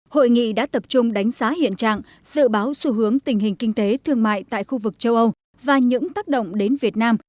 hội nghị đã tập trung đánh giá hiện trạng dự báo xu hướng tình hình kinh tế thương mại tại khu vực châu âu và những tác động đến việt nam